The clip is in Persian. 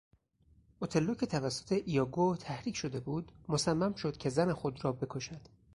اوتلو که توسط ایاگوتحریک شده بود مصمم شد که زن خود را بکشد.